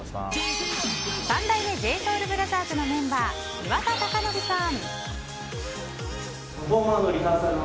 三代目ＪＳＯＵＬＢＲＯＴＨＥＲＳのメンバー岩田剛典さん。